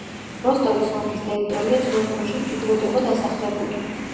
როსტოვის ოლქის ტერიტორია ძველ დროში მჭიდროდ იყო დასახლებული.